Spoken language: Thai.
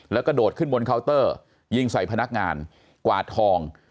แล้วก็โดดขึ้นบนเคาน์เตอร์ยิงใส่พนักงานกวาดทอง